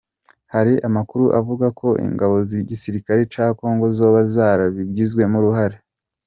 Hari amakuru avuga ko ingabo z'igisirikare ca Congo zoba zarabugizemwo uruhara.